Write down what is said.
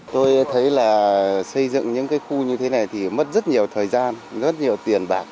tôi thấy là xây dựng những cái khu như thế này thì mất rất nhiều thời gian rất nhiều tiền bạc